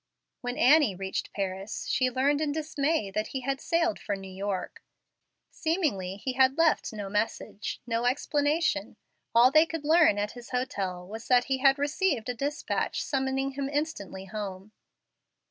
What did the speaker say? When Annie reached Paris, she learned in dismay that he had sailed for New York. Seemingly he had left no message, no explanation; all they could learn at his hotel was that he had received a despatch summoning him instantly home.